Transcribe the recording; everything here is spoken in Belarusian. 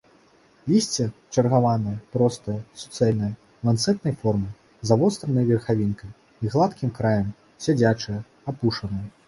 Лісце чаргаванае, простае, суцэльнае, ланцэтнай формы, з завостранай верхавінкай і гладкім краем, сядзячае, апушанае.